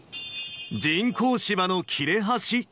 人工芝の切れ端。